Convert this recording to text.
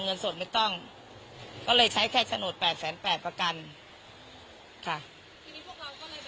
เงินสดไม่ต้องก็เลยใช้แค่โฉนดแปดแสนแปดประกันค่ะทีนี้พวกเราก็เลย